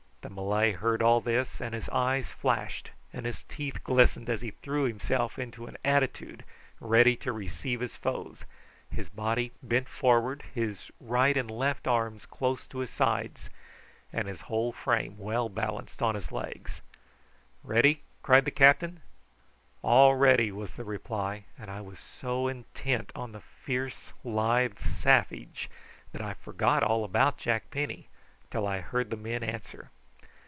The Malay heard all this, and his eyes flashed and his teeth glistened as he threw himself into an attitude ready to receive his foes, his body bent forward, his right and left arms close to his sides, and his whole frame well balanced on his legs. "Ready?" cried the captain. "All ready!" was the reply; and I was so intent upon the fierce lithe savage that I forgot all about Jack Penny till I heard the men answer.